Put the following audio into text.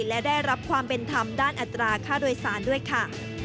และได้รับความเป็นธรรมด้านอัตราค่าโดยสารด้วยค่ะ